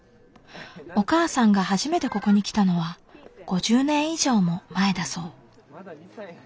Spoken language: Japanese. お母さんが初めてここに来たのは５０年以上も前だそう。